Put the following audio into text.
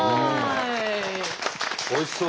おいしそう。